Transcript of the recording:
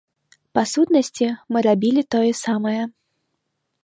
Па сутнасці, мы рабілі тое самае.